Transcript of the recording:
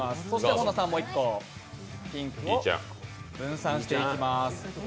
本田さん、分散していきます。